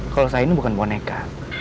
kalau saya ini bukan boneka